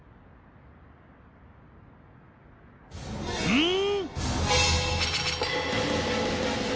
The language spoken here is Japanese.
うん！？